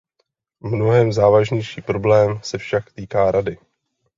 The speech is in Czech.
Mnohem závažnější problém se však týká Rady.